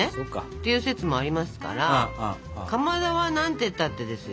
ていう説もありますからかまどはなんてったってですよ